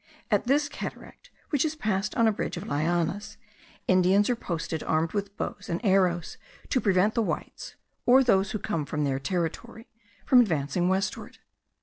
At this cataract, which is passed on a bridge of lianas, Indians are posted armed with bows and arrows to prevent the whites, or those who come from their territory from advancing westward.